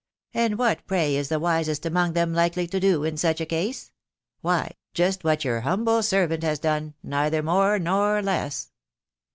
And what, pray, is the wisest among them likely to do in such a case ? Why, just what your humble servant has done, neither more nor leas."